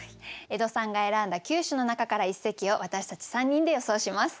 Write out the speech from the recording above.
江戸さんが選んだ９首の中から一席を私たち３人で予想します。